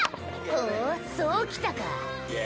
ほうそうきたか。